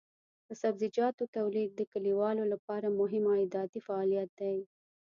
د سبزیجاتو تولید د کليوالو لپاره مهم عایداتي فعالیت دی.